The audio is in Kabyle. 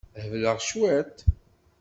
Hebleɣ cwiṭ.